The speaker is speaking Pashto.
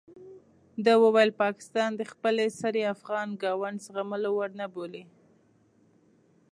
ده وویل پاکستان د خپل سرۍ افغان ګاونډ زغملو وړ نه بولي.